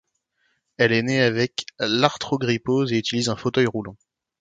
Elle est née avec l'arthrogrypose et utilise un fauteuil roulant.